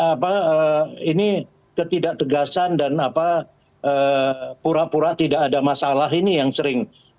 apa ini ketidak tegasan dan apa pura pura tidak ada masalah ini yang sering